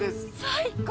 最高！